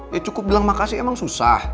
ya cukup bilang makasih emang susah